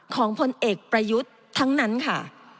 พลเอกประยุทธ์ทั้งนั้นค่ะ